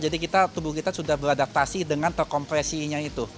jadi tubuh kita sudah beradaptasi dengan terkompresinya itu